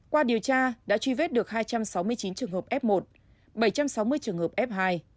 qua điều tra đã truy vết được hai trăm sáu mươi chín trường hợp f một bảy trăm sáu mươi trường hợp f hai